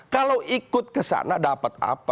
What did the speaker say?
kalau ikut kesana dapat apa